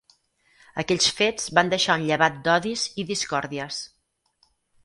Aquells fets van deixar un llevat d'odis i discòrdies.